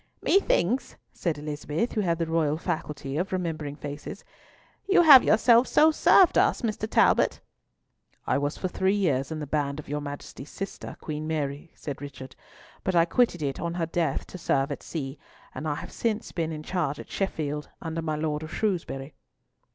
"Methinks," said Elizabeth, who had the royal faculty of remembering faces, "you have yourself so served us, Mr. Talbot?" "I was for three years in the band of your Majesty's sister, Queen Mary," said Richard, "but I quitted it on her death to serve at sea, and I have since been in charge at Sheffield, under my Lord of Shrewsbury."